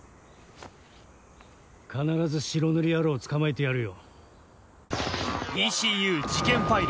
必ず白塗り野郎を捕まえてやるよ。